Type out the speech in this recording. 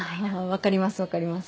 分かります分かります。